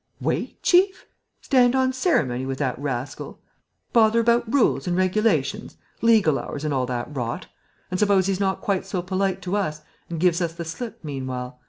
"Wait, chief? Stand on ceremony with that rascal? Bother about rules and regulations, legal hours and all that rot? And suppose he's not quite so polite to us and gives us the slip meanwhile?